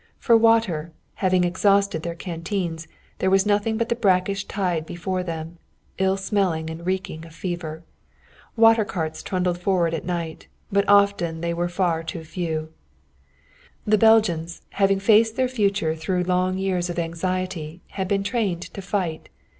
For water, having exhausted their canteens, there was nothing but the brackish tide before them, ill smelling and reeking of fever. Water carts trundled forward at night, but often they were far too few. The Belgians, having faced their future through long years of anxiety, had been trained to fight.